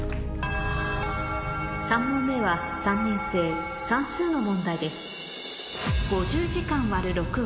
３問目は３年生算数の問題です